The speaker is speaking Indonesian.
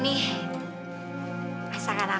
ini juga udah mau pulang